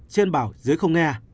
trên bảo dưới không nghe